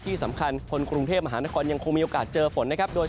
ที่สำคัญคนกรุงเทพมหานครยังคงมีโอกาสเจอฝนนะครับ